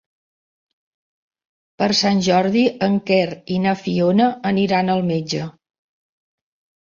Per Sant Jordi en Quer i na Fiona aniran al metge.